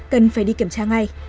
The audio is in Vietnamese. cần phải đi kiểm tra ngay